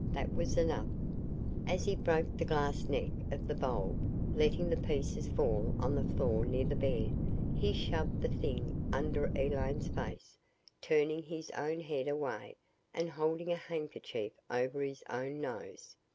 That was enough, As he broke the glass neck of the bulb letting the pieces fall on the floor near the bed he shoved the thing under Elaine's face, turning his own head away and holding a handkerchief over his own nose.